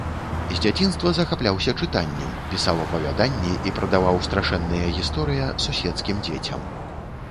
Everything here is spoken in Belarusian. З дзяцінства захапляўся чытаннем, пісаў апавяданні і прадаваў страшэнныя гісторыя суседскім дзецям.